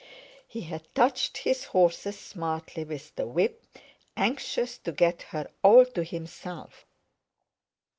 He had touched his horses smartly with the whip, anxious to get her all to himself.